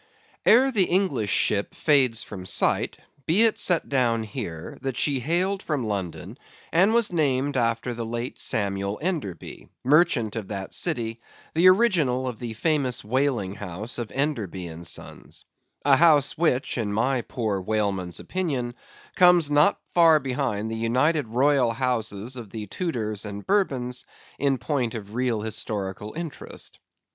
Ere the English ship fades from sight, be it set down here, that she hailed from London, and was named after the late Samuel Enderby, merchant of that city, the original of the famous whaling house of Enderby & Sons; a house which in my poor whaleman's opinion, comes not far behind the united royal houses of the Tudors and Bourbons, in point of real historical interest.